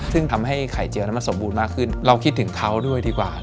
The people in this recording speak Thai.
ซึ่งทำให้ไข่เจียวนั้นมันสมบูรณ์มากขึ้นเราคิดถึงเขาด้วยดีกว่า